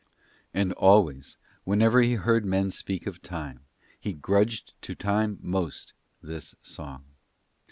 And always, whenever he heard men speak of Time, he grudged to Time most this song.